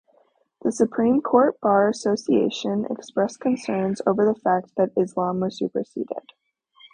The Supreme Court Bar Association expressed concerns over the fact that Islam was superseded.